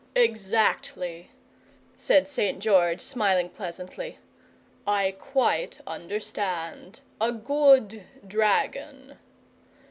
"Exactly," said St. George, smiling pleasantly, "I quite understand. A good DRAGON.